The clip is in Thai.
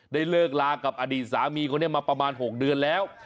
เลิกลากับอดีตสามีคนนี้มาประมาณ๖เดือนแล้ว